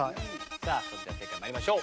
さあそれでは正解参りましょう。